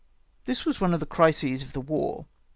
This was one of the crises of the war.